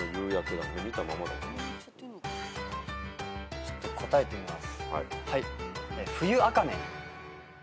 ちょっと答えてみます。